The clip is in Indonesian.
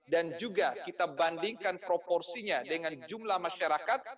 dan juga kita bandingkan proporsinya dengan jumlah masyarakat